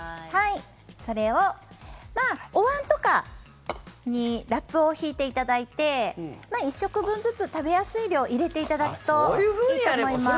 それを、おわんとかにラップを敷いていただいて１食分ずつ食べやすい量を入れていただくといいと思います。